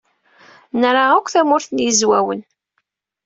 Nra akk Tamurt n Yizwawen.